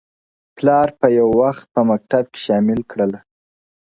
پلار په یو وخت په مکتب کي شامل کړله,